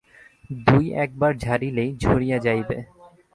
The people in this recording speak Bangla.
দুই-একবার ঝাড়িলেই ঝরিয়া যাইবে।